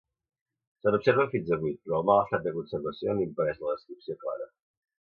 Se n'observen fins a vuit, però el mal estat de conservació n'impedeix la descripció clara.